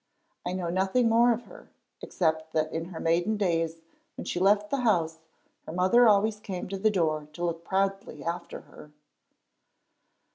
I know nothing more of her, except that in her maiden days when she left the house her mother always came to the door to look proudly after her.